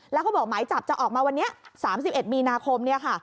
แล้วเขาบอกหมายจับจะออกมาวันนี้๓๑มีนาคมเนี่ยค่ะ